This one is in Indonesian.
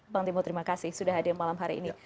bang timbul terima kasih sudah hadir malam hari ini